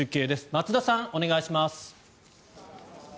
松田さん、お願いします。